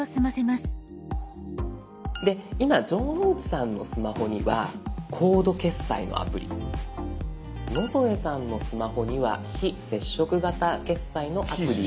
今城之内さんのスマホにはコード決済のアプリ野添さんのスマホには非接触型決済のアプリを。